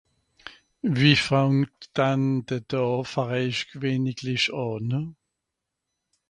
wie fangt dan de daa fer eich gewähniglich ànùng